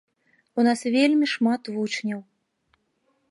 У нас вельмі шмат вучняў.